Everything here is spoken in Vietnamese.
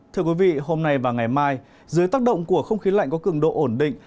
thưa quý vị hôm nay và ngày mai dưới tác động của không khí lạnh có cường độ ổn định